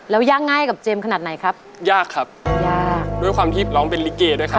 แล้วยากง่ายกับเจมส์ขนาดไหนครับยากครับยากด้วยความที่ร้องเป็นลิเกด้วยครับ